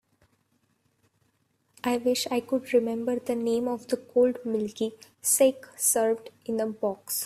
I wish I could remember the name of the cold milky saké served in a box.